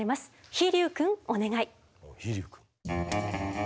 飛龍くんお願い。